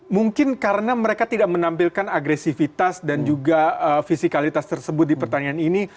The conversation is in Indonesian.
mungkin karena mereka tidak menampilkan agresivitas dan juga fisikalitas tersebut di pertandingan ini